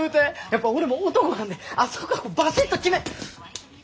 やっぱ俺も男なんであそこからバシッと決め。